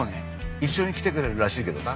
一緒に来てくれるらしいけどな。